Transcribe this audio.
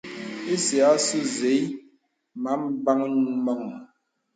Ìsə àsū zèì məbəŋ mɔ̄ŋ.